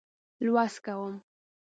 لوست کوم.